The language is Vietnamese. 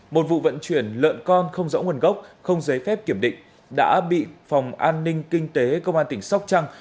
một vụ vận chuyển lợn con không rõ nguồn gốc không giấy phép kiểm định đã bị phòng an ninh kinh tế công an tỉnh sóc trăng